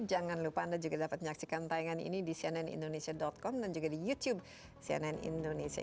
jangan lupa anda juga dapat menyaksikan tayangan ini di cnnindonesia com dan juga di youtube cnn indonesia